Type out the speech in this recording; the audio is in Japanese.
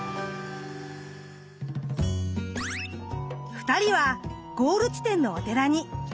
２人はゴール地点のお寺に。